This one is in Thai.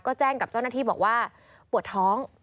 ก็แจ้งกับเจ้าหน้าที่บอกว่าปวดท้อง